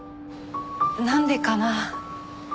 なんでかな？